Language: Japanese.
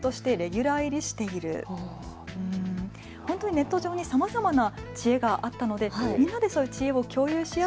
ネット上にさまざまな知恵があったのでみんなで知恵を共有する。